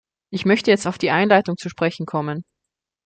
Ich möchte jetzt auf die Einleitungen zu sprechen kommen.